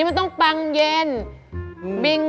เจ้าไหน